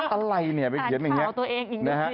อะไรนี่ไปเขียนแบบนี้